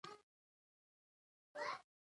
د خپل وطن او وطنوالو په خاطر یې نه وي.